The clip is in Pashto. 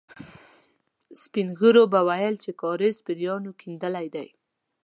سپين ږيرو به ويل چې کاریز پېريانو کېندلی دی.